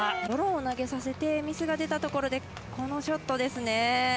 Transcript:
ドローを投げさせてミスが出たところでこのショットですね。